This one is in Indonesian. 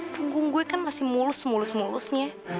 punggung gue kan masih mulus semulus mulusnya